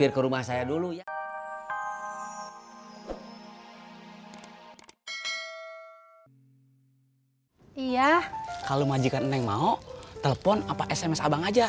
kalau majikan neng mau telepon apa sms abang aja